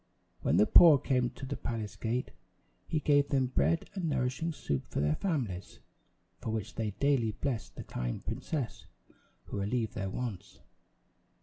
When the poor came to the palace gate, he gave them bread and nourishing soup for their families, for which they daily blessed the kind princess who relieved their wants.